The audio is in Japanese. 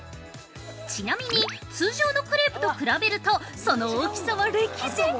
ちなみに、通常のクレープと比べると、その大きさは歴然。